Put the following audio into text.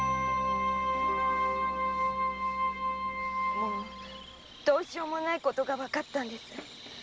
もぅどうしようもない事がわかったんです。